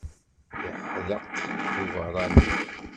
Yeḥdeq d uberranni.